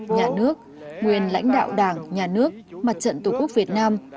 nhà nước nguyên lãnh đạo đảng nhà nước mặt trận tổ quốc việt nam